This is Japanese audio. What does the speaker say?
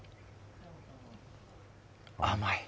甘い。